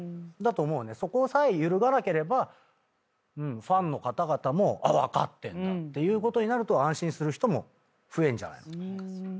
そこさえ揺るがなければファンの方々も「分かってんだ」ってなると安心する人も増えんじゃないの。